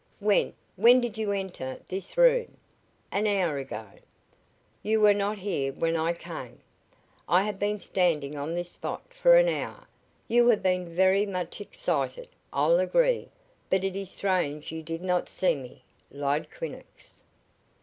"When when did you enter this room?" "An hour ago." "You were not here when I came!" "I have been standing on this spot for an hour. You have been very much excited, I'll agree, but it is strange you did not see me," lied Quinnox.